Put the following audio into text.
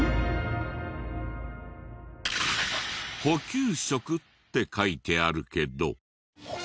「補給食」って書いてあるけど。